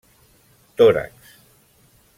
Tòrax: